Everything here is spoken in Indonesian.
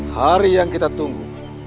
hari yang kita tunggu